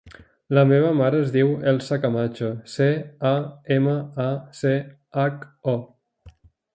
La meva mare es diu Elsa Camacho: ce, a, ema, a, ce, hac, o.